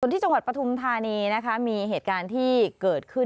ที่จังหวัดปฐุมธานีนะคะมีเหตุการณ์ที่เกิดขึ้น